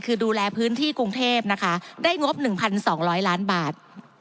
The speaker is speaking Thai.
คือดูแลพื้นที่กรุงเทพนะคะได้งบ๑๒๐๐ล้านบาท